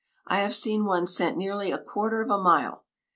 I have seen one sent nearly a quarter of a mile.